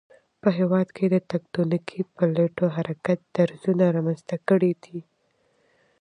په هېواد کې تکتونیکی پلیټو حرکت درزونه رامنځته کړي دي